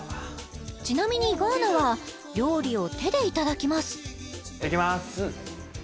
ちなみにガーナは料理を手でいただきますいきます